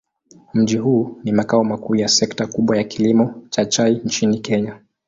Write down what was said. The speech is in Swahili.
Mji huu ni makao makuu ya sekta kubwa ya kilimo cha chai nchini Kenya.